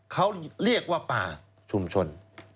เขาเรียกว่าป่าชุมชน